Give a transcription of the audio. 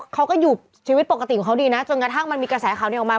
เขาก็อยู่ชีวิตปกติของเขาดีนะจนกระทั่งมันมีกระแสข่าวนี้ออกมา